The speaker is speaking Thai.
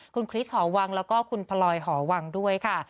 คุณคริสหอวังแล้วก็คุณพลอยหอวังด้วยค่ะ